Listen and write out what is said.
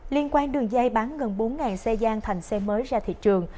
liên quan đường dây bán gần bốn xe gian thành xe mới ra thị trường